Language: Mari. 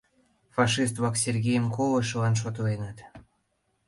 Фашист-влак Сергейым колышылан шотленыт.